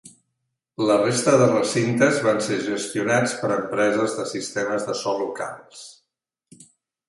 La resta de recintes van ser gestionats per empreses de sistemes de so locals.